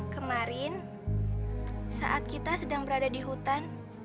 kemarin saat kita sedang berada di hutan